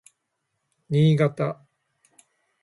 Niigata